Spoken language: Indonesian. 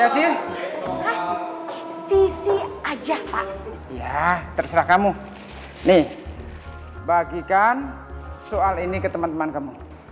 sisi aja pak ya terserah kamu nih bagikan soal ini ke teman teman kamu